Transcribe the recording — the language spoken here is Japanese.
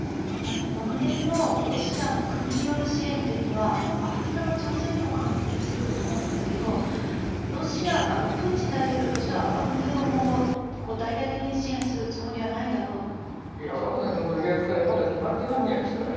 ワグネルのロシアの国による支援というのはアフリカの情勢にも関係してくると思うんですけどプーチン大統領としてはワグネルを今後大々的に支援するつもりはワグネルの取り扱いはまだ決まってないんじゃないですかね。